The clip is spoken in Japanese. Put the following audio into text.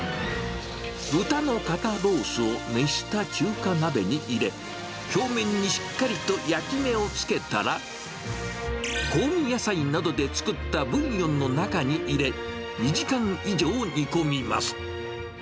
豚の肩ロースを熱した中華鍋に入れ、表面にしっかりと焼き目をつけたら、香味野菜などで作ったブイヨンの中に入れ、２時間以上煮込みます。